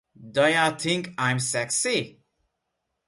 Da Ya Think I’m Sexy?